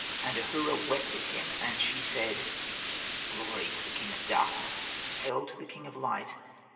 And Ahura wept at him, and she said, ^'^ Glory to the King of Darkness ! Hail to the King of Light